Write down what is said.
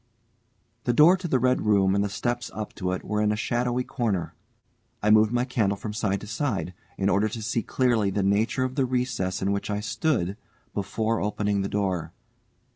The door to the red room and the steps up to it were in a shadowy corner. I moved my candle from side to side, in order to see clearly the nature of the recess in which I stood before opening the door.